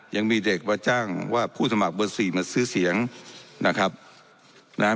ยังมีเด็กมาจ้างว่าผู้สมัครเบอร์สี่มาซื้อเสียงนะครับนะฮะ